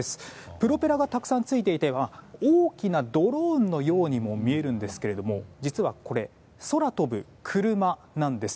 プロペラがたくさんついていて大きなドローンのようにも見えるんですけれども実はこれ、空飛ぶ車なんです。